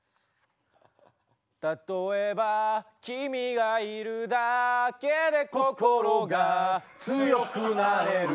「たとえば君がいるだけで」「心が強くなれること」